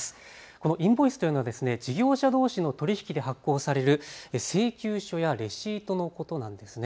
このインボイスというのは事業者どうしの取り引きで発行される請求書やレシートのことなんです。